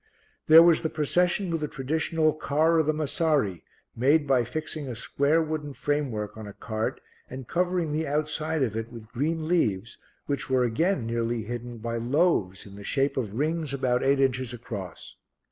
There was the procession with the traditional Car of the Massari, made by fixing a square wooden framework on a cart and covering the outside of it with green leaves which were again nearly hidden by loaves in the shape of rings about eight inches across.